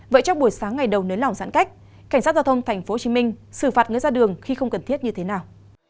vậy trong buổi sáng ngày đầu nới lỏng giãn cách cảnh sát giao thông tp hcm xử phạt người ra đường khi không cần thiết như thế nào